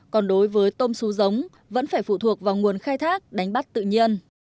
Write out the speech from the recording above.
còn đối với tôm sú giống vẫn phải phụ thuộc vào nguồn khai thác đánh bắt tự nhiên